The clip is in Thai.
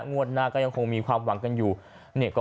งวดหน้าก็ยังคงมีความหวังกันอยู่